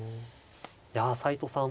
いや斎藤さん